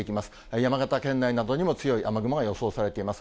山形県内などにも強い雨雲が予想されています。